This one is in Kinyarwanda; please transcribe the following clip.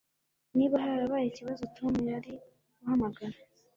Niba harabaye ikibazo Tom yari guhamagara